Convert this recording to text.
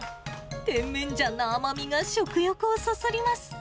テンメンジャンの甘みが食欲をそそります。